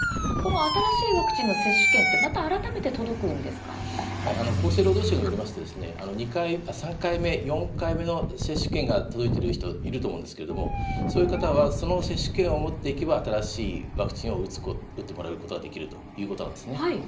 新しいワクチンの接種券って厚生労働省によりますと３回目、４回目の接種券が届いている人いると思うんですけれどもそういう方はその接種券を持っていけば新しいワクチンを打ってもらうことができるということなんですね。